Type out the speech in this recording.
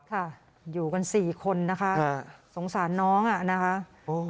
ค่ะอยู่กัน๔คนนะครับสงสารน้องน่ะนะครับ